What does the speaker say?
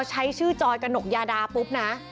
ใช้ชื่อจอยกระหนกยาดาปุ๊บนะ